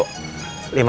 lima menit lagi